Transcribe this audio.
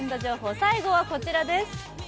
最後はこちらです。